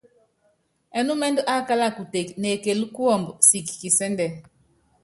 Ɛnúmɛndú ákála kuteke, neekelú kuɔmbɔ siki kisɛ́ndɛ.